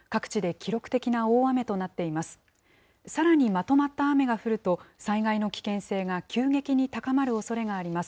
さらにまとまった雨が降ると、災害の危険性が急激に高まるおそれがあります。